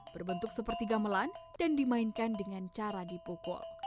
berbentuk seperti gamelan dan dimainkan dengan cara dipukul